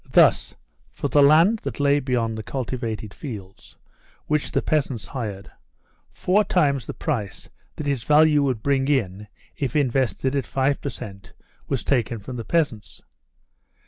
Thus, for the land that lay beyond the cultivated fields, which the peasants hired, four times the price that its value would bring in if invested at five per cent was taken from the peasants.